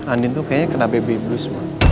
anin tuh kayaknya kena baby blues